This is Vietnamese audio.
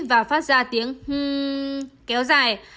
và phát ra tiếng hưm kéo dài